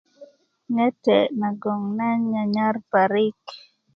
ŋete nagon nan nyanyar parik